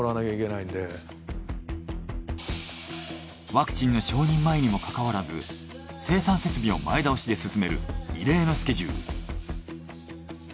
ワクチンの承認前にも関わらず生産設備を前倒しで進める異例のスケジュール。